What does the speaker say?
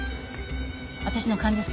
私の勘ですけど。